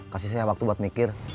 kasih saya waktu buat mikir